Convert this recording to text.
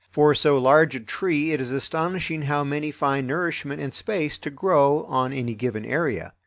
For so large a tree it is astonishing how many find nourishment and space to grow on any given area.